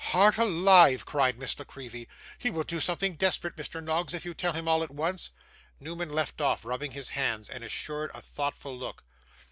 'Heart alive!' cried Miss La Creevy. 'He will do something desperate, Mr Noggs, if you tell him all at once.' Newman left off rubbing his hands, and assumed a thoughtful look.